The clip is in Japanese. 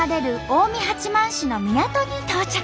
近江八幡市の港に到着。